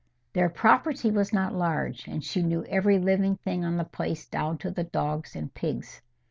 Their property was not large, and she knew every living thing on the place down to the dogs and pigs.